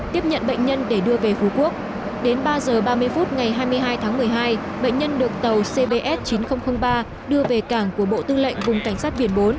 tiếp nhận bệnh nhân để đưa về phú quốc đến ba h ba mươi phút ngày hai mươi hai tháng một mươi hai bệnh nhân được tàu cbs chín nghìn ba đưa về cảng của bộ tư lệnh vùng cảnh sát biển bốn